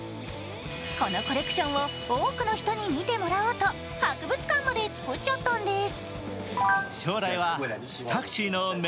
このコレクションを多くの人に見てもらおうと博物館までつくっちゃったんです。